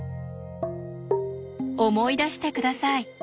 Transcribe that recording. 思い出して下さい。